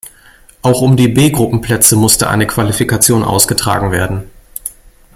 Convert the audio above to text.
Auch um die B-Gruppenplätze musste eine Qualifikation ausgetragen werden.